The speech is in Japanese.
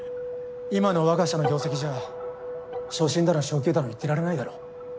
今の我が社の業績じゃ昇進だの昇給だの言ってられないだろう。